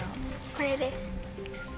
これです。